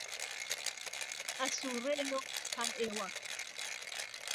ئەسوڕێنۆ تا ئێوار